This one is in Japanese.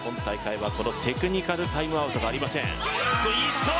テクニカルタイムアウトがありません。